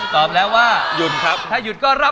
กิเลนพยองครับ